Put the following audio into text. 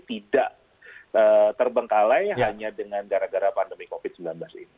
tidak terbengkalai hanya dengan gara gara pandemi covid sembilan belas ini